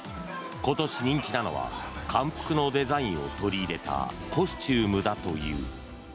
今年人気なのは漢服のデザインを取り入れたコスチュームだという。